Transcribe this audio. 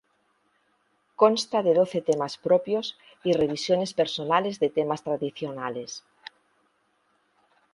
Consta de doce temas propios y revisiones personales de temas tradicionales.